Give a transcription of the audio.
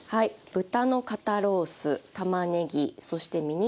豚の肩ロースたまねぎそしてミニトマトです。